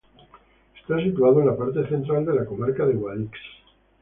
Está situado en la parte central de la comarca de Guadix.